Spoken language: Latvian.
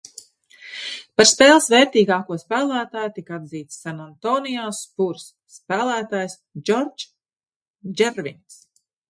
"Par spēles vērtīgāko spēlētāju tika atzīts Sanantonio "Spurs" spēlētājs Džordžs Džervins."